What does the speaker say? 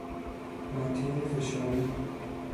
مته فشاری